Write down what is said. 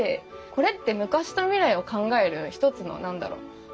これって昔と未来を考える一つの何だろう交差点というか。